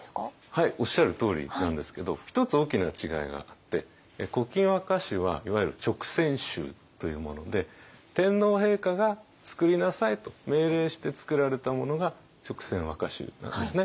はいおっしゃるとおりなんですけど一つ大きな違いがあって「古今和歌集」はいわゆる勅撰集というもので天皇陛下が「作りなさい」と命令して作られたものが勅撰和歌集なんですね。